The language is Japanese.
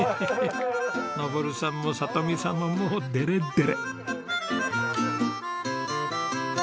昇さんも里美さんももうデレデレ。